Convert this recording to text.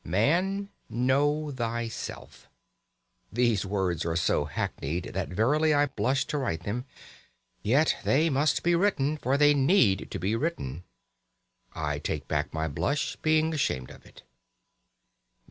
Man, know thyself. These words are so hackneyed that verily I blush to write them. Yet they must be written, for they need to be written. (I take back my blush, being ashamed of it.)